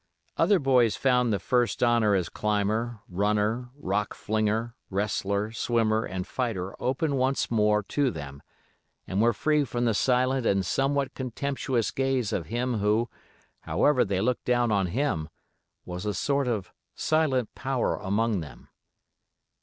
Other boys found the first honor as climber, runner, rock flinger, wrestler, swimmer, and fighter open once more to them, and were free from the silent and somewhat contemptuous gaze of him who, however they looked down on him, was a sort of silent power among them.